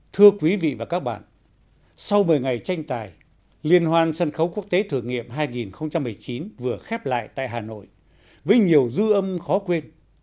thưa quý vị và các bạn sau một mươi ngày tranh tài liên hoan sân khấu quốc tế thử nghiệm hai nghìn một mươi chín vừa khép lại tại hà nội với nhiều dư âm khó quên